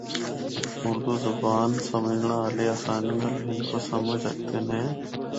اُردو زبان سمجھنڑا آلے آسانی نال ہندکو سمجھ ہکدے نے۔